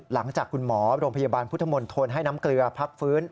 หลังจากคุณหมอโรงพยาบาลพุทธมนตรให้น้ำเกลือพักฟื้น